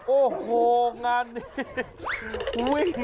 โอ้โหงานนี้